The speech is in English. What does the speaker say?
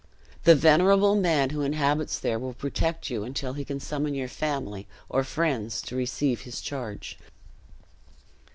The venerable man who inhabits there will protect you until he can summon your family, or friends, to receive his charge."